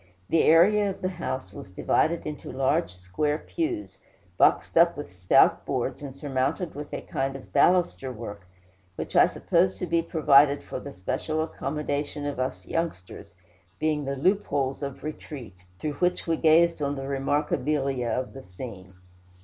The area of the house was divided into large square pews, boxed up with stout boards, and surmounted with a kind of baluster work, which I supposed to be provided for the special accommodation of us youngsters, being the "loopholes of retreat" through which we gazed on the "remarkabilia" of the scene.